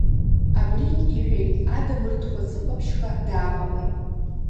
Абригь иҳәеит, Адамыр дхәацы-хәаԥшьха дааҟалеит.